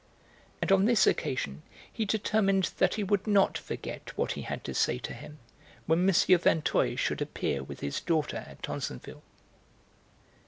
And on this occasion he determined that he would not forget what he had to say to him when M. Vinteuil should appear with his daughter at Tansonville.